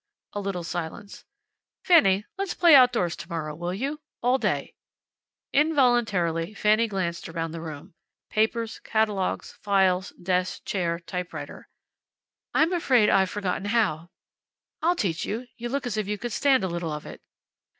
A little silence. "Fanny, let's play outdoors tomorrow, will you? All day." Involuntarily Fanny glanced around the room. Papers, catalogues, files, desk, chair, typewriter. "I'm afraid I've forgotten how." "I'll teach you. You look as if you could stand a little of it."